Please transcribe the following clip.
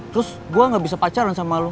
terus gue gak bisa pacaran sama lo